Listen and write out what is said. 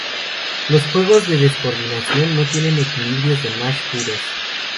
Los juegos de descoordinación no tienen equilibrios de Nash puros.